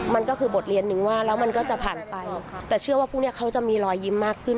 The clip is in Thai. มันก็คือบทเรียนนึงว่าแล้วมันก็จะผ่านไปแต่เชื่อว่าพวกนี้เขาจะมีรอยยิ้มมากขึ้น